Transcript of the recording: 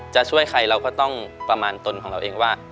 จะช่วยใครเราก็ต้องประมาณตนของเราเองว่า